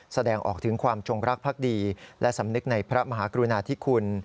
แสดงออกถึงความจงรักภักดีและสำนึกในพระมหากรุณาธิคุณ